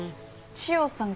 千代さん